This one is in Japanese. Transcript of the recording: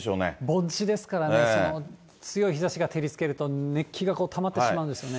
盆地ですからね、強い日差しが照りつけると熱気がたまってしまうんですよね。